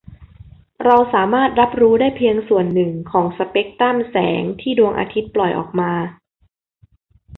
เราสามารถรับรู้ได้เพียงส่วนหนึ่งของสเปกตรัมแสงที่ดวงอาทิตย์ปล่อยออกมา